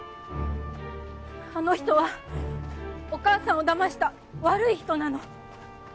あの人はお母さんを騙した悪い人なの。